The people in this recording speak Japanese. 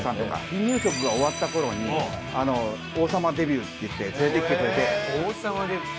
離乳食が終わった頃に王さまデビューっていって連れてきてくれて。